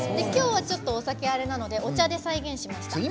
今日は、お酒はあれなのでお茶で再現しました。